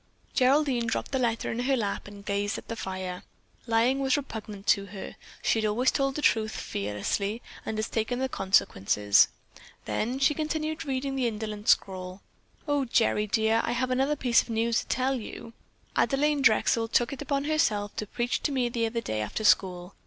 Geraldine dropped the letter in her lap and gazed at the fire. Lying was repugnant to her. She had always told the truth fearlessly and had taken the consequences. Then she continued reading the indolent scrawl: "Oh, Gerry dear, I have another piece of news to tell you. Adelaine Drexel took it upon herself to preach to me the other day after school.